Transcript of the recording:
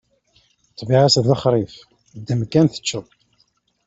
Ṭṭbiɛa-s d lexṛif, ddem kan teččeḍ!